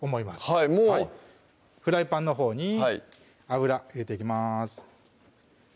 はいもうフライパンのほうに油入れていきます